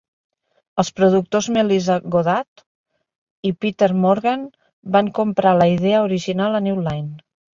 Els productors Melissa Goddard i Peter Morgan van comprar la idea original a New Line.